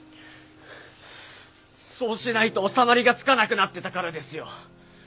そうしないと収まりがつかなくなってたからですよ！